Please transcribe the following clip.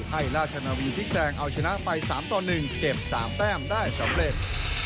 ให้ราชนาวีพลิกแซงเอาชนะไป๓ต่อ๑เก็บ๓แต้มได้สำเร็จ